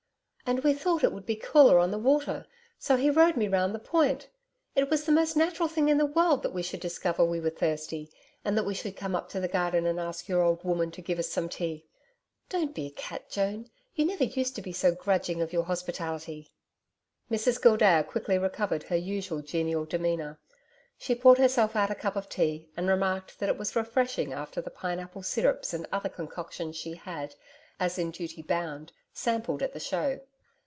'And we thought it would be cooler on the water, so he rowed me round the point. It was the most natural thing in the world that we should discover we were thirsty, and that we should come up the garden and ask your old woman to give us some tea. Don't be a cat, Joan. You never used to be grudging of your hospitality.' Mrs Gildea quickly recovered her usual genial demeanour. She poured herself out a cup of tea, and remarked that it was refreshing after the pine apple syrups and other concoctions she had, as in duty bound, sampled at the Show.